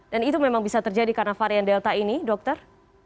dan itu memang bisa terjadi karena varian delta ini dokter